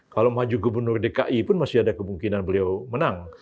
kalau maju gubernur dki pun masih ada kemungkinan beliau menang